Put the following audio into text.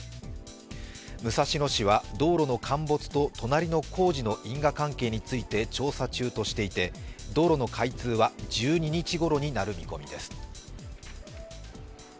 武蔵野市は道路の陥没と隣の工事の因果関係について調査中としていて道路の開通は１２日ごろになる見込みです。